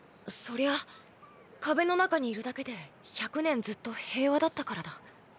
そりゃ壁の中にいるだけで１００年ずっと平和だったからだ。